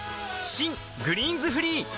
新「グリーンズフリー」